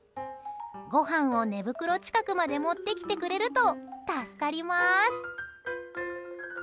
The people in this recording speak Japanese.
ごはんを寝袋近くまで持ってきてくれると助かります。